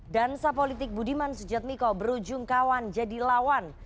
dan sapolitik budiman sujad miko berujung kawan jadi lawan